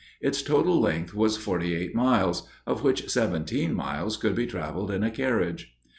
Its total length was forty eight miles, of which seventeen miles could be traveled in a carriage.